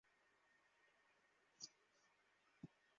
ছোট্ট থান্ডারের পায়ের ছাপ এখানে এসে থেমেছে।